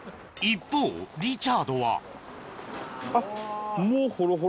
一方リチャードはあっ。